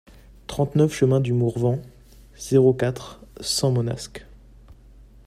trente-neuf chemin du Mourvenc, zéro quatre, cent Manosque